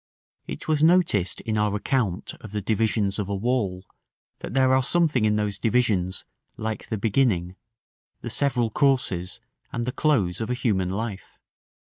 It was noticed in our account of the divisions of a wall, that there are something in those divisions like the beginning, the several courses, and the close of a human life.